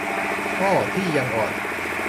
อ้อ ที่ "ยังอ่อน"